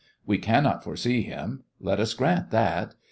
We cannot foresee him; let us grant that.